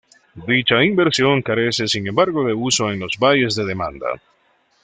Dicha inversión carece sin embargo de uso en los valles de demanda.